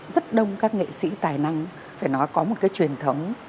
rất đông các nghệ sĩ tài năng phải nói có một cái truyền thống